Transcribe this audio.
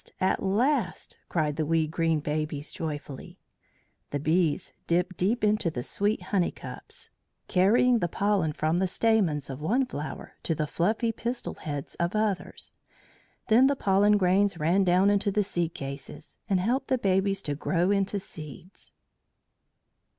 at last!" cried the wee green babies joyfully. The bees dipped deep into the sweet honey cups, carrying the pollen from the stamens of one flower to the fluffy pistil heads of others. Then the pollen grains ran down into the seed cases and helped the babies to grow into seeds.